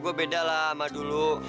gue beda lah sama dulu